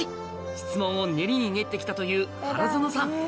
質問を練りに練ってきたという原薗さん